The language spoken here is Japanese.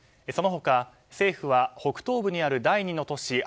その他、政府は北東部にある第２の都市